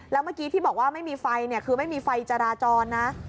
แล้วเมื่อกี้ที่บอกว่าไม่มีไฟคือไม่มีไฟจราจรนะ